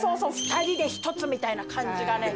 ２人で１つみたいな感じがね。